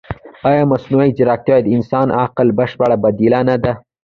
ایا مصنوعي ځیرکتیا د انساني عقل بشپړه بدیله نه ده؟